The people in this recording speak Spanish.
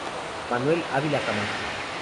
Manuel Ávila Camacho.